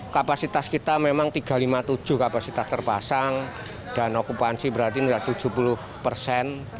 kapasitas kita memang tiga ratus lima puluh tujuh kapasitas terpasang dan okupansi berarti tidak tujuh puluh persen